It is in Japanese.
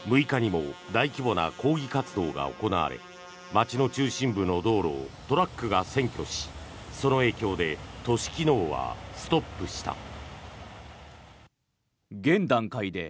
６日にも大規模な抗議活動が行われ街の中心部の道路をトラックが占拠しその影響で都市機能はストップした。